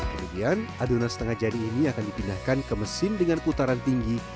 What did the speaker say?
kemudian adonan setengah jadi ini akan dipindahkan ke mesin dengan putaran tinggi